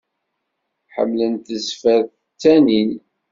Ḥemmlen tezfer ttanin.